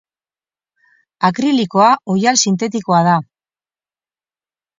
Akrilikoa ohial sintetikoa da.